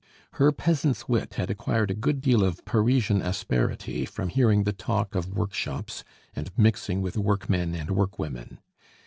Her peasant's wit had acquired a good deal of Parisian asperity from hearing the talk of workshops and mixing with workmen and workwomen.